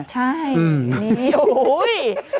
ใช่นี่